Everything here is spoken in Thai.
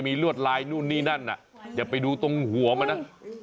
มันพูดแบบนั้น